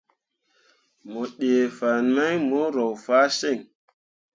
Mo ɗee fan mai mu roo fah siŋ.